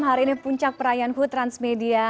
hari ini puncak perayaan hutransmedia